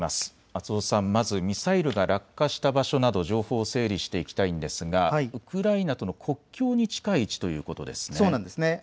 松尾さん、まずミサイルが落下した場所など情報を整理していきたいんですがウクライナとの国境に近い位置ということですね。